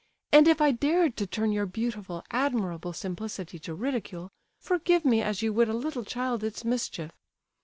And if I dared to turn your beautiful, admirable simplicity to ridicule, forgive me as you would a little child its mischief.